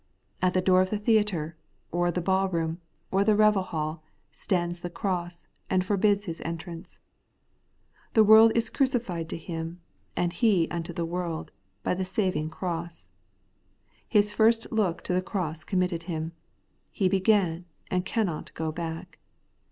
At the door of the theatre, or the ball room, or the revel hall, stands the cross, and forbids his entrance. The world is crucified to him, and he unto the world, by the saving cross. His first look to the cross committed him. He began, and he cannot go back.